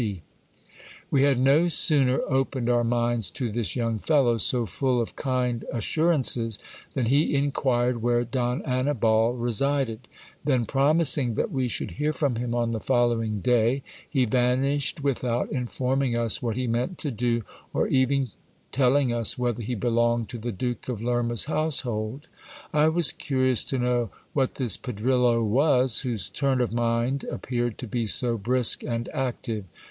We had no sooner opened our minds to this young fellow, so full of kind as surances, than he inquired where Don Annibal resided ; then, promising that we should hear from him on the following day, he vanished without informing us what he meant to do, or even telling us whether he belonged to the Duke of Lerma's household. I was curious to know what this Pedrillo was, whose turn of mind appeared to be so brisk and active.